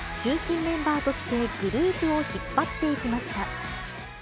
中心メンバーとしてグループを引っ張っていきました。